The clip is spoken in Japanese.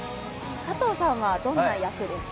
佐藤さんはどんな役ですか？